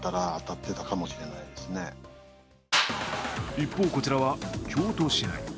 一方、こちらは京都市内。